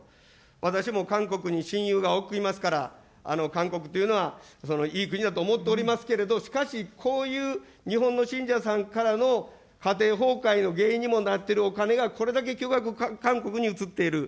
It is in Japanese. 私も韓国に親友が多くいますから、韓国というのはいい国だと思っておりますけれど、しかし、こういう日本の信者さんからの家庭崩壊の原因にもなっているお金がこれだけ巨額、韓国に移っている。